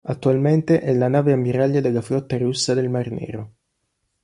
Attualmente è la nave ammiraglia della Flotta Russa del Mar Nero.